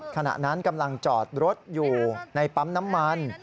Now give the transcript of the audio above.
ขณะนั้นกำลังจอดรถอยู่ในปั๊มน้ำมัน